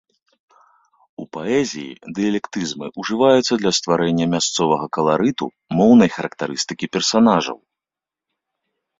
У паэзіі дыялектызмы ўжываюцца для стварэння мясцовага каларыту, моўнай характарыстыкі персанажаў.